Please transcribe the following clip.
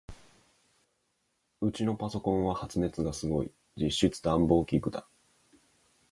ウチのパソコンは発熱がすごい。実質暖房器具だ。